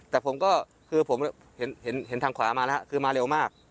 แต่ผมก็คือผมเห็นทางขวามาแล้วคือมาเร็วมาก